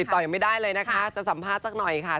ต่อยังไม่ได้เลยนะคะจะสัมภาษณ์สักหน่อยค่ะ